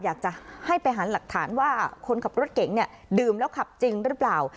อยากจะให้ไปหาหลักฐานว่าคนขับรถเก๋งเนี่ยดื่มแล้วขับจริงหรือเปล่า